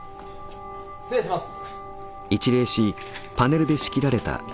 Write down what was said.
失礼します。